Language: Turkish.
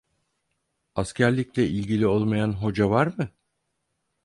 Askerlikle ilgili olmayan hoca var mı?